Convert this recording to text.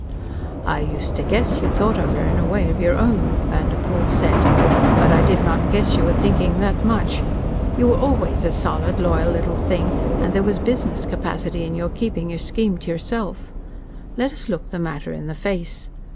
"I used to guess you thought of her in a way of your own," Vanderpoel said, "but I did not guess you were thinking that much. You were always a solid, loyal little thing, and there was business capacity in your keeping your scheme to yourself. Let us look the matter in the face.